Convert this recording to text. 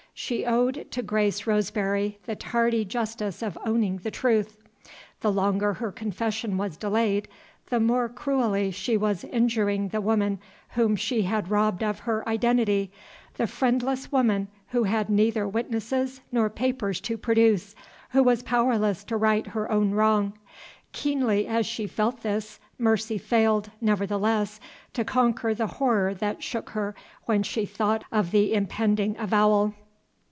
She owed to Grace Roseberry the tardy justice of owning the truth. The longer her confession was delayed, the more cruelly she was injuring the woman whom she had robbed of her identity the friendless woman who had neither witnesses nor papers to produce, who was powerless to right her own wrong. Keenly as she felt this, Mercy failed, nevertheless, to conquer the horror that shook her when she thought of the impending avowal.